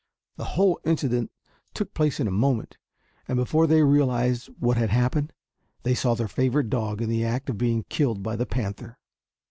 The whole incident took place in a moment, and before they realized what had happened, they saw their favorite dog in the act of being killed by the panther.